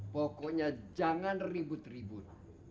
pokoknya jangan ribut ribut